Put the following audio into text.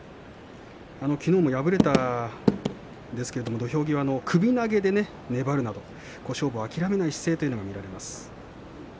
きのうも敗れましたけれども土俵際の首投げで粘るという勝負を諦めない姿勢が見られます。